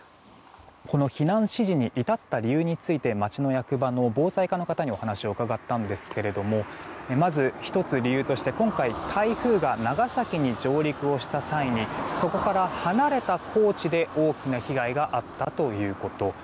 この避難指示に至った理由について町の役場の防災課の方にお話を伺ったんですけどもまず、１つ理由として今回、台風が長崎に上陸をした際にそこから離れた高知で大きな被害があったということ。